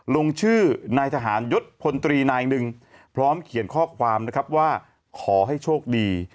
ลงชื่อนายทหารยศพลตรีพร้อมเขียนข้อความว่าขอให้โชคดี